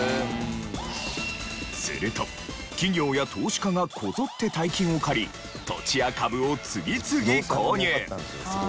すると企業や投資家がこぞって大金を借り土地や株を次々購入。